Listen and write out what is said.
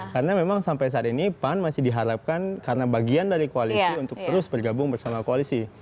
karena memang sampai saat ini pan masih diharapkan karena bagian dari koalisi untuk terus bergabung bersama koalisi